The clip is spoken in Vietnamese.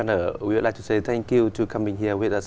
hội hội của quốc gia việt nam